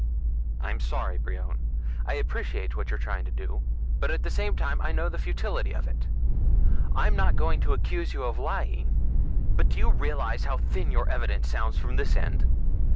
"I'm sorry, Brion. I appreciate what you're trying to do, but at the same time I know the futility of it. I'm not going to accuse you of lying, but do you realize how thin your evidence sounds from this end?